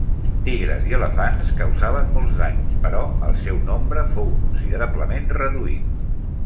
Tigres i elefants causaven molts danys però el seu nombre fou considerablement reduït.